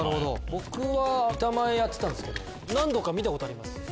僕は板前やってたんですけど何度か見たことあります。